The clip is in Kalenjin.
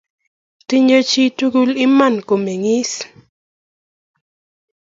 Tinyei chi tugul iman kumen'gis